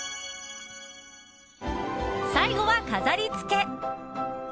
最後は飾りつけ。